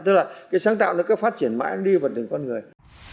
tức là cái sáng tạo nó cứ phát triển mãi đi vào từng con người